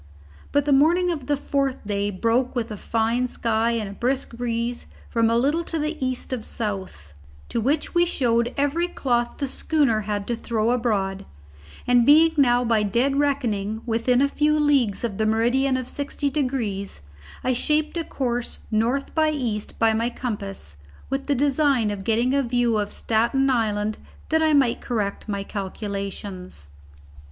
But the morning of the fourth day broke with a fine sky and a brisk breeze from a little to the east of south, to which we showed every cloth the schooner had to throw abroad, and being now by dead reckoning within a few leagues of the meridian of sixty degrees, I shaped a course north by east by my compass, with the design of getting a view of Staten Island that I might correct my calculations.